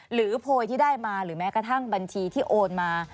โพยที่ได้มาหรือแม้กระทั่งบัญชีที่โอนมา